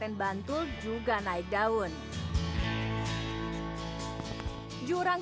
jika kabut menghilang